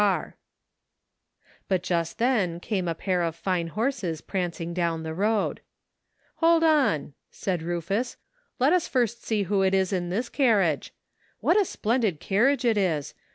''A PRETTY STATE OF THINGS.'' 47 But just then came a pair of fine horses pranc ing down the road. "Hold on," said Rufus, "let us first see who is in this carriage. What a splendid carriage it is.